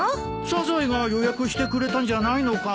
サザエが予約してくれたんじゃないのかい？